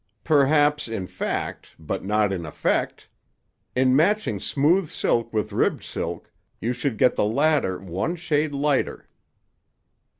"Perhaps in fact; but not in effect. In matching smooth silk with ribbed silk, you should get the latter one shade lighter."